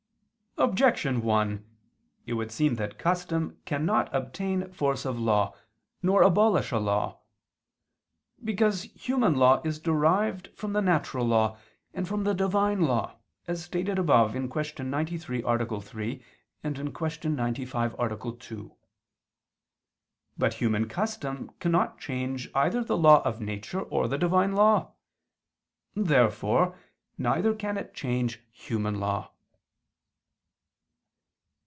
Objection 1: It would seem that custom cannot obtain force of law, nor abolish a law. Because human law is derived from the natural law and from the Divine law, as stated above (Q. 93, A. 3; Q. 95, A. 2). But human custom cannot change either the law of nature or the Divine law. Therefore neither can it change human law.